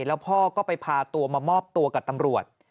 แล้วพ่อก็ไปพาตัวมามอบตัวกับตำรวจ